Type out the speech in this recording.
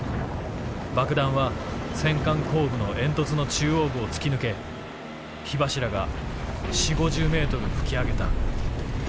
爆弾は戦艦後部の煙突の中央部を突き抜け火柱が４０５０ｍ噴き上げた」。